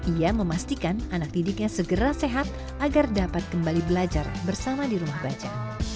ia memastikan anak didiknya segera sehat agar dapat kembali belajar bersama di rumah baca